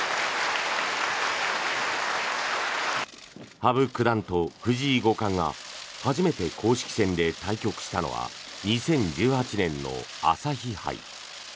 羽生九段と藤井五冠が初めて公式戦で対局したのは２０１８年の朝日杯。